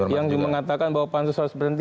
yang mengatakan bahwa pansus harus berhenti